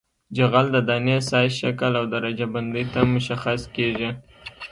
جغل د دانې سایز شکل او درجه بندۍ ته مشخص کیږي